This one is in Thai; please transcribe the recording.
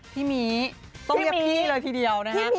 พี่หมีต้องเรียกพี่เลยทีเดียวนะฮะ